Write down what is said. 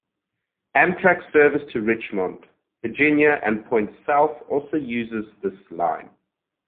Amtrak service to Richmond, Virginia, and points south also uses this line.